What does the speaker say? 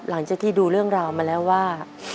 หลังจากที่ดูเรื่องราวมาแล้วว่า